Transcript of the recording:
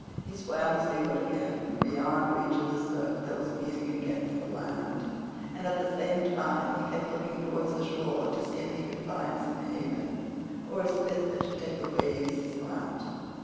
He swam seaward again, beyond reach of the surf that was beating against the land, and at the same time he kept looking towards the shore to see if he could find some haven, or a spit that should take the waves aslant.